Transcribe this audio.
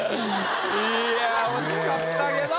いや惜しかったけど。